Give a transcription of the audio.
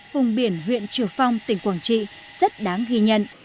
vùng biển huyện triều phong tỉnh quảng trị rất đáng ghi nhận